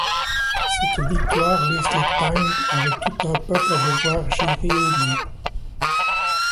Cette victoire laisse les Tang avec tout un peuple à devoir gérer au mieux.